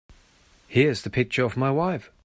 Here's the picture of my wife.